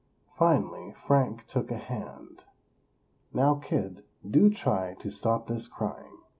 Finally Frank took a hand: "Now, kid, do try to stop this crying!